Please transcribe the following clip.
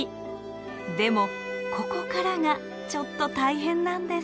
でもここからがちょっと大変なんです。